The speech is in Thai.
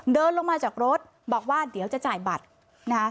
เดินลงมาจากรถบอกว่าเดี๋ยวจะจ่ายบัตรนะคะ